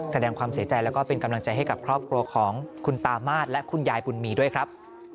แสดงความเสียใจแล้วก็เป็นกำลังใจให้กับครอบครัวของคุณตามาศและคุณยายบุญมีด้วยครับ